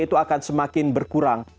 itu akan semakin berkurang